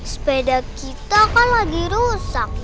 sepeda kita kan lagi rusak